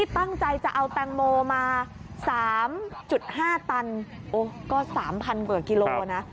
ตั้งใจจะเอาแตงโมมา๓๕ตันก็๓๐๐กว่ากิโลนะ